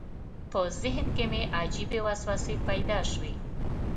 په ذهن کې مې عجیبې وسوسې پیدا شوې.